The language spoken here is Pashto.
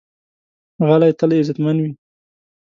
غلی، تل عزتمند وي.